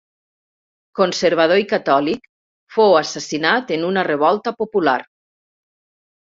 Conservador i catòlic, fou assassinat en una revolta popular.